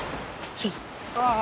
ああ。